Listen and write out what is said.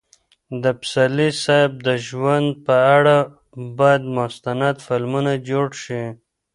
د پسرلي صاحب د ژوند په اړه باید مستند فلمونه جوړ شي.